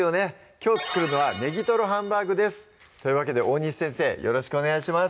きょう作るのは「ネギトロハンバーグ」ですというわけで大西先生よろしくお願いします